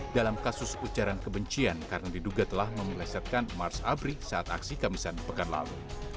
dalam kasus ujaran kebencian karena diduga telah memilesetkan mars abri saat aksi kamisan pekan lalu